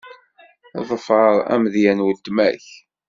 Ḍfeṛ amedya n weltma-k.